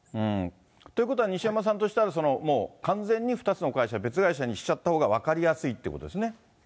ということは、西山さんとしたら、もう完全に２つの会社、別会社にしちゃったほうが、分かりやすいってことですね。